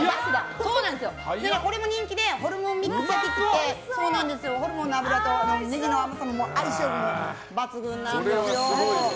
これも人気でホルモンミックス焼といってホルモンの脂とネギの甘さが相性が抜群なんですよ。